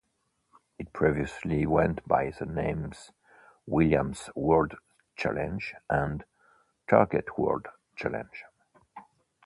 It previously went by the names Williams World Challenge and Target World Challenge.